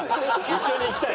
一緒に行きたい？